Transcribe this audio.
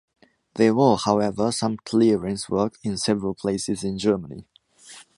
There was however some clearance work in several places in Germany.